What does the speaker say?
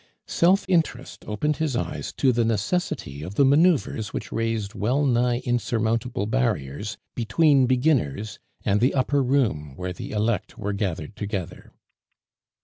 Self interest opened his eyes to the necessity of the manoeuvres which raised well nigh insurmountable barriers between beginners and the upper room where the elect were gathered together.